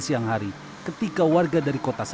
sekarang ab pyt eli ramai berk smartphones